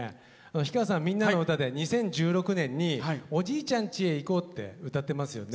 氷川さん「みんなのうた」で２０１６年に「おじいちゃんちへいこう」って歌ってますよね。